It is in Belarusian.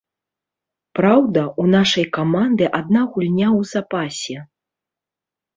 Праўда, у нашай каманды адна гульня ў запасе.